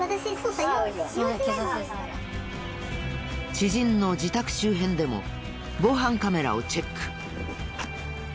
知人の自宅周辺でも防犯カメラをチェック。